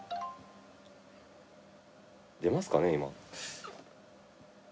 出ますかね今。